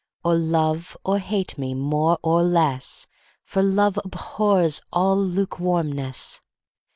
Or love or hate me more or less, For love abhors all lukewarmness.